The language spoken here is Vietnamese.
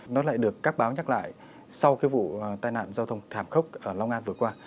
nó lại được các báo nhắc lại sau cái vụ tai nạn giao thông thảm khốc ở long an vừa qua